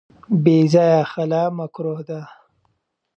بې ځایه خلع مکروه ده.